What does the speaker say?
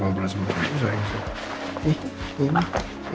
mau beras beras aja sayang